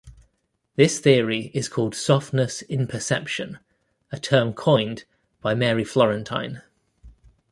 This theory is called "softness imperception", a term coined by Mary Florentine.